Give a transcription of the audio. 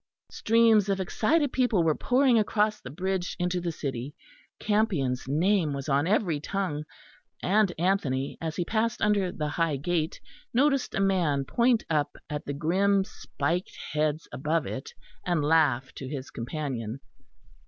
Streams of excited people were pouring across the bridge into the city; Campion's name was on every tongue; and Anthony, as he passed under the high gate, noticed a man point up at the grim spiked heads above it, and laugh to his companion.